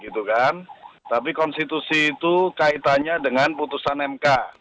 tapi konstitusi itu kaitannya dengan putusan mk